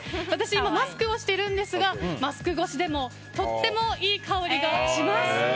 私は今、マスクをしていますがマスク越しでもとてもいい香りがします。